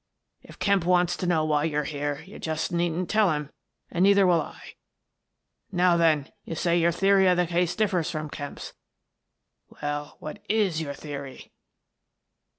If Kemp wants to know why you're here, you just needn't tell him, and neither will I. Now then, you say your theory of the case differs from Kemp's. Well, what is your theory?"